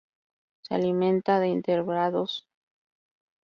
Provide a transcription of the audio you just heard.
Se alimenta de invertebrados que busca entre el follaje.